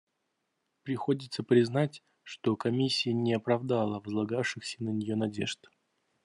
Приходится признать, что Комиссия не оправдала возлагавшихся на нее надежд.